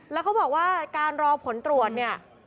แล้วเขาบอกว่าการรอผลตรวจเนี่ย